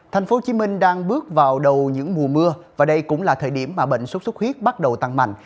thành phố hồ chí minh đang bước vào đầu những mùa mưa và đây cũng là thời điểm mà bệnh sốt xuất huyết bắt đầu tăng mạnh